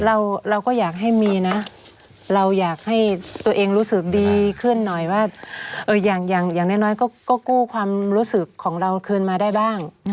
เราก็อยากให้มีนะเราอยากให้ตัวเองรู้สึกดีขึ้นหน่อยว่าอย่างน้อยก็กู้ความรู้สึกของเราคืนมาได้บ้าง